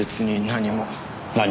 何も？